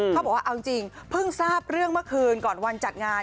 เขาบอกว่าเอาจริงเพิ่งทราบเรื่องเมื่อคืนก่อนวันจัดงาน